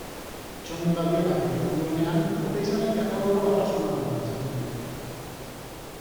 Txomin Badiolak egiten duenean Oteizaren katalogo arrazonatua esaten du.